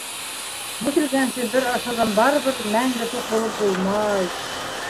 Бүҫелгәнсе бер ашауҙан барыбер мәңге туҡ булып булмай.